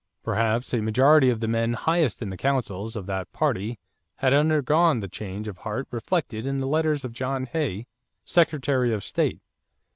Perhaps a majority of the men highest in the councils of that party had undergone the change of heart reflected in the letters of John Hay, Secretary of State.